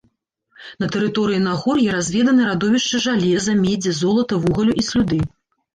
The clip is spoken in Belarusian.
На тэрыторыі нагор'я разведаны радовішчы жалеза, медзі, золата, вугалю і слюды.